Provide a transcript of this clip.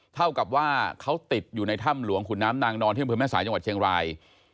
เท่ากับว่าเขาติดอยู่ในถ้ำหลวงขุนน้ำนางนอนที่อำเภอแม่สายจังหวัดเชียงราย